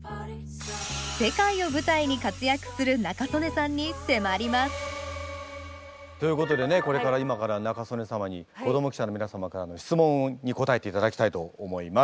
世界を舞台に活躍する仲宗根さんに迫りますということでねこれから今から仲宗根様に子ども記者の皆様からの質問に答えていただきたいと思います。